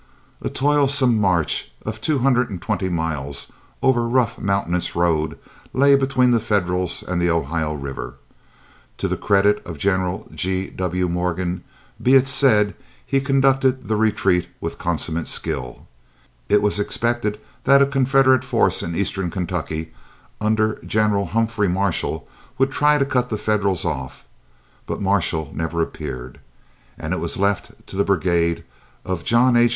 A toilsome march of two hundred and twenty miles over rough mountainous roads lay between the Federals and the Ohio River. To the credit of General G. W. Morgan be it said, he conducted the retreat with consummate skill. It was expected that a Confederate force in Eastern Kentucky under General Humphrey Marshall would try to cut the Federals off; but Marshall never appeared, and it was left to the brigade of John H.